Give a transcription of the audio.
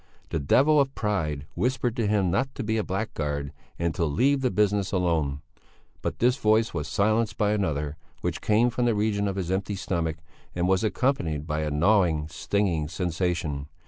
The devil of pride whispered to him not to be a blackguard and to leave the business alone, but this voice was silenced by another, which came from the region of his empty stomach, and was accompanied by a gnawing, stinging sensation.